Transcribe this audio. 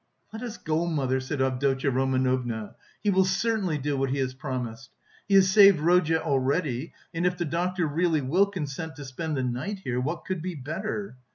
"Let us go, mother," said Avdotya Romanovna, "he will certainly do what he has promised. He has saved Rodya already, and if the doctor really will consent to spend the night here, what could be better?"